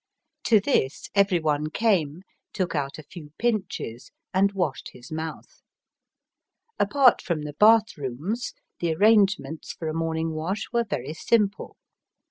To this every one came, took out a few pinches, and washed his mouth. Apart from the bath rooms, the arrangements for a morning wash were very simple.